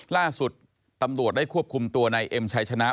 ล่าสุดตำรวจได้ควบคุมตัวนายเอ็มชัยชนะ